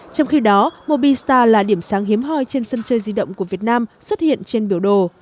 trong khi đó mobi star là điểm sáng hiếm hoi trên sân chơi di động của việt nam xuất hiện trên biểu đồ